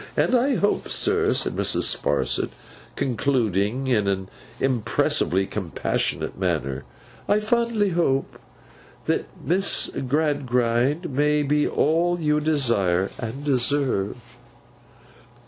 And I hope, sir,' said Mrs. Sparsit, concluding in an impressively compassionate manner, 'I fondly hope that Miss Gradgrind may be all you desire, and deserve!